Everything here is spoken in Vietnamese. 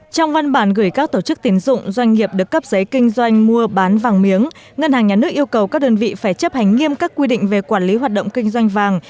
trong văn bản gửi các tổ chức tín dụng doanh nghiệp được cấp giấy kinh doanh mua bán vàng miếng ngân hàng nhà nước yêu cầu các đơn vị phải chấp hành nghiêm các quy định về quản lý hoạt động kinh doanh vàng